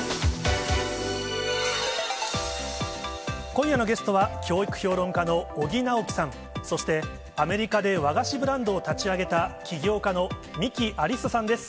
今夜のゲストは、教育評論家の尾木直樹さん、そしてアメリカで和菓子ブランドを立ち上げた起業家の三木アリッサさんです。